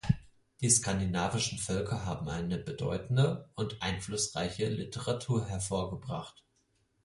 Die skandinavischen Völker haben eine bedeutende und einflussreiche Literatur hervorgebracht.